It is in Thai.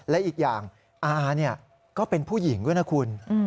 และอีกอย่างอาก็เป็นผู้หญิงด้วยนะคุณ